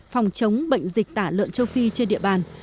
phòng chống bệnh dịch tả lợn châu phi trên địa bàn